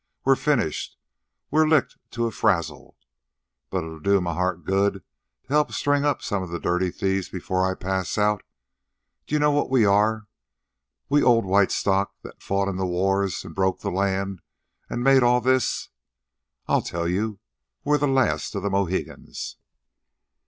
We're finished. We're licked to a frazzle. But it'd do my heart good to help string up some of the dirty thieves before I passed out. D'ye know what we are? we old white stock that fought in the wars, an' broke the land, an' made all this? I'll tell you. We're the last of the Mohegans."